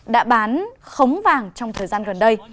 đã bán khống vàng trong thời gian gần đây